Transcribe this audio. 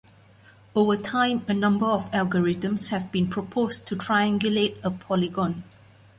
Over time a number of algorithms have been proposed to triangulate a polygon.